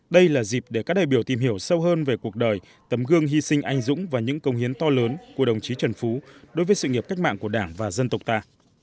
đây là dịp để các đại biểu tìm hiểu sâu hơn về cuộc đời tấm gương hy sinh anh dũng và những công hiến to lớn của đồng chí trần phú đối với sự nghiệp cách mạng của đảng và dân tộc ta